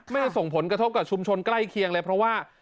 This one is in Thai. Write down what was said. ไม่ส่งผลกระทบกับชุมชนใกล้เคียงเลยเพราะว่า